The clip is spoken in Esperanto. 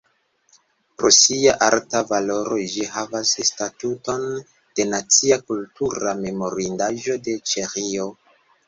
Pro sia arta valoro ĝi havas statuton de nacia kultura memorindaĵo de Ĉeĥio.